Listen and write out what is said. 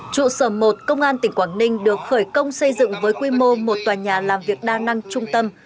trụ sở một công an tỉnh quảng ninh được khởi công xây dựng với quy mô một tòa nhà làm việc đa năng trung tâm